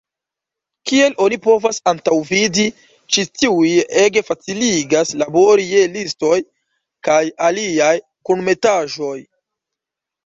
Kiel oni povas antaŭvidi, ĉi tiuj ege faciligas labori je listoj kaj aliaj kunmetaĵoj.